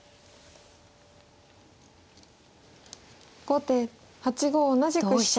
後手８五同じく飛車。